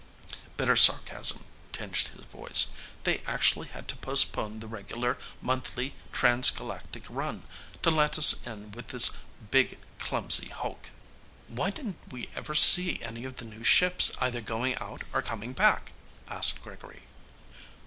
Bitter sarcasm tinged his voice. "They actually had to postpone the regular monthly Trans Galactic run to let us in with this big, clumsy hulk." "Why didn't we ever see any of the new ships either going out or coming back?" asked Gregory.